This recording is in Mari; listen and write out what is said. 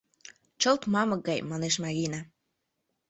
Чылт мамык гай, — манеш Марина.